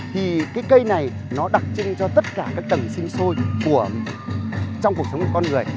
thì cái cây này nó đặc trưng cho tất cả các tầng sinh sôi trong cuộc sống của con người